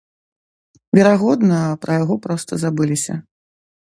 Верагодна, пра яго проста забыліся.